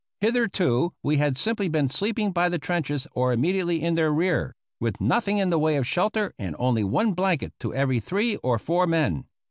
Hitherto we had simply been sleeping by the trenches or immediately in their rear, with nothing in the way of shelter and only one blanket to every three or four men.